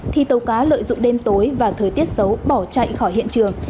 thì tàu cá lợi dụng đêm tối và thời tiết xấu bỏ chạy khỏi hiện trường